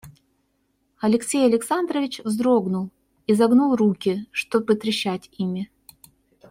Алексей Александрович вздрогнул и загнул руки, чтобы трещать ими.